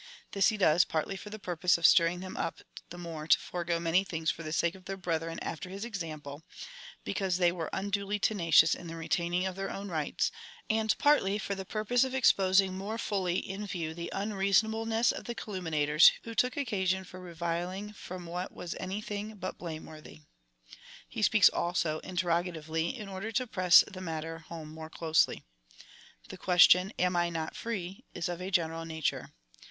This he does, partly for the purpose of stirring them up the more to forego many things for the sake of their brethren after his example, be cause they were unduly tenacious in the retaining of their own rights, and partly for the purpose of exposing more fully in view the unreasonableness of calumniators, who took occasion for reviling from what was anything but blame worthy. He speaks, also, interrogatively, in order to press the matter home more closely. The question — Atu I not free .? is of a general nature.